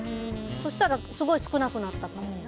そしたらすごい少なくなった。